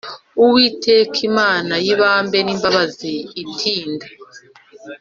Uwiteka imana y ibambe n imbabazi itinda